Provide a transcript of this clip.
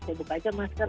saya buka aja masker